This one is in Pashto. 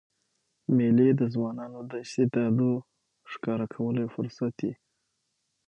مېلې د ځوانانو د استعدادو ښکاره کولو یو فرصت يي.